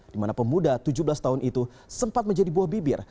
di mana pemuda tujuh belas tahun itu sempat menjadi buah bibir